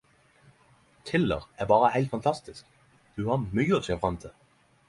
Tiller er berre heilt fantastisk - du har mykje å sjå fram til!